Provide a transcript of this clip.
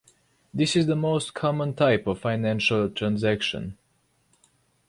This is the most common type of financial transaction.